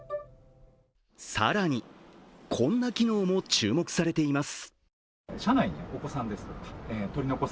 更に、こんな機能も注目されています。